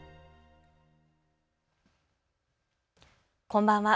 こんばんは。